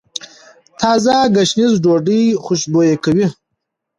تازه ګشنیز ډوډۍ خوشبويه کوي.